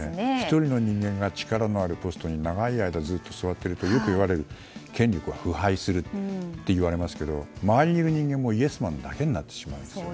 １人の人間が力のあるポストに長い間ずっと座っていると権力は腐敗するといわれますが周りにいる人間もイエスマンだけになってしまうんですよ。